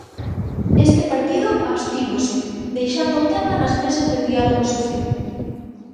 Este partido abstívose, deixando o tema nas mesas de diálogo social.